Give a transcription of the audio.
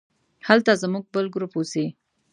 هلته زموږ بل ګروپ اوسي.